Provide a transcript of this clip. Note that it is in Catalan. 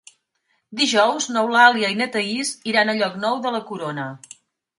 Dijous n'Eulàlia i na Thaís iran a Llocnou de la Corona.